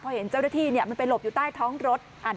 พอเห็นเจ้าหน้าที่มันไปหลบอยู่ใต้ท้องรถ